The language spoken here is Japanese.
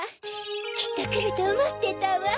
きっとくるとおもってたわ。